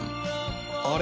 あれ？